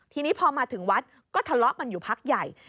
ทีนี้พอมาถึงวัดก็ทะเลาะกันอยู่พักใหญ่